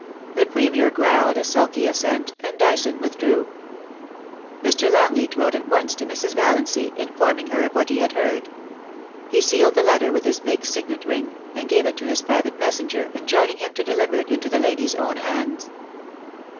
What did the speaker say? The Premier growled a sulky assent, and D)'son with drew. Mr. Longleat wrote at once to Mrs. Valiancy, informing her of what he had heard. He sealed the letter with his big signet ring, and gave it to his private messenger, enjoining him to deliver it into the lady's own hands.